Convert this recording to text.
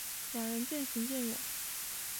两人渐行渐远